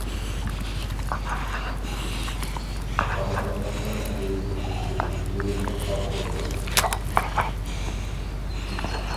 تامىقىڭىزنىڭ يېرىمى يېشىل، يېرىمى ئاق بولىدۇ.